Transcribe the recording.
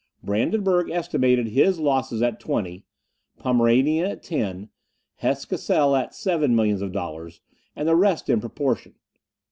Brandenburg estimated its losses at twenty, Pomerania at ten, Hesse Cassel at seven millions of dollars, and the rest in proportion.